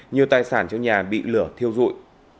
nhiều tài sản trong nhà bị lửa thiêu rụi